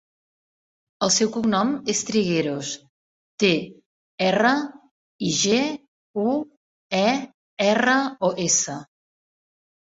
El seu cognom és Trigueros: te, erra, i, ge, u, e, erra, o, essa.